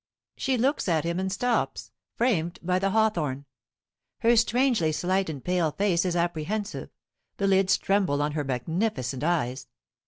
She looks at him and stops, framed by the hawthorn. Her strangely slight and pale face is apprehensive, the lids tremble on her magnificent eyes.